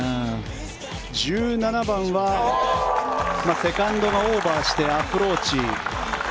１７番はセカンドがオーバーしてアプローチ。